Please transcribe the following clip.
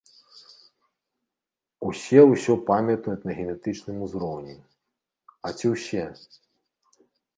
Усе ўсё памятаюць на генетычным узроўні, а ці ўсе?